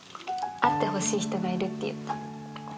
会ってほしい人がいるって言った。